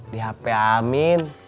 di hp amin